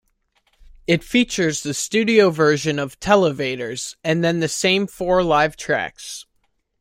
It features the studio version of "Televators", and then the same four live tracks.